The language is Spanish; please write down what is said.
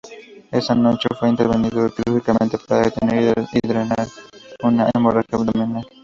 Esa noche fue intervenido quirúrgicamente para detener y drenar una hemorragia abdominal.